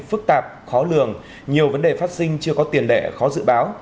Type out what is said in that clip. phức tạp khó lường nhiều vấn đề phát sinh chưa có tiền lệ khó dự báo